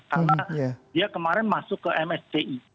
karena dia kemarin masuk ke msci